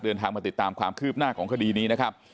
เดินทางมาติดตามความคืบหน้าของคดีนี้นะครับ